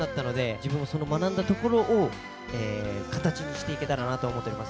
自分もその学んだところを形にしていけたらなと思っております。